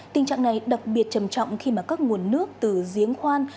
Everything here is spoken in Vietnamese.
tình trạng này đặc biệt trầm trọng khi mà các nguồn nước từ giếng khoan